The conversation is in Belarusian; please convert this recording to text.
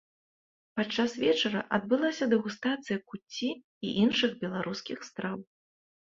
Падчас вечара адбылася дэгустацыя куцці і іншых беларускіх страў.